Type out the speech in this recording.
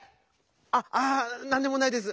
あっあなんでもないです。